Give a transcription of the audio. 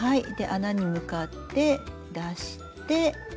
穴に向かって出して。